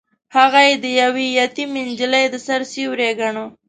هغه يې د يوې يتيمې نجلۍ د سر سيوری ګاڼه.